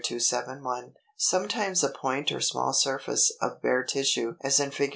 271), sometimes a point or small surface of bare tissue (as in Fig.